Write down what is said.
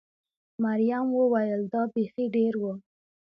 مريم وویل: دا بېخي ډېر و.